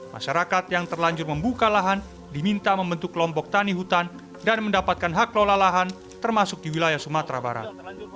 masyarakat yang terlanjur membuka lahan diminta membentuk kelompok tani hutan dan mendapatkan hak lola lahan termasuk di wilayah sumatera barat